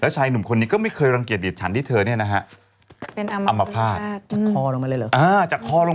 ชายเหนื่อยคนนี้ก็ไม่เคยรังเกียจเดียดฉันที่เธออำมักภาษณ์